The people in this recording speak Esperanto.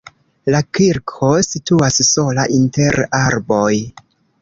La kirko situas sola inter arboj.